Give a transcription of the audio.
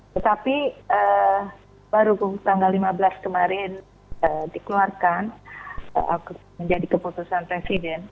tetapi baru tanggal lima belas kemarin dikeluarkan menjadi keputusan presiden